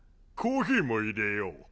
コーヒーもいれよう。